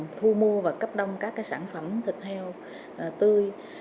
thu mua và cấp đông các sản phẩm thịt heo tươi